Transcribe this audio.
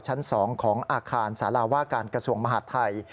ชั้น๒ของอาคารสาราว่าการกระทรวงมหาดไทย